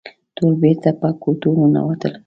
ټول بېرته په کوټو ننوتل.